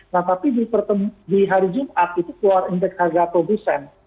nah tapi di hari jumat itu keluar indeks harga produsen